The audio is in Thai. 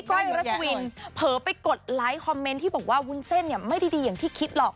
้อยรัชวินเผลอไปกดไลค์คอมเมนต์ที่บอกว่าวุ้นเส้นเนี่ยไม่ได้ดีอย่างที่คิดหรอก